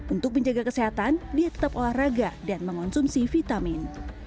untuk menjaga kesehatan dia tetap olahraga dan mengonsumsi vitamin